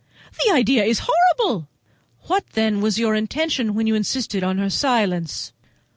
The idea is horrible!" "What, then, was your intention when you insisted on her silence?"